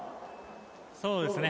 そうですね。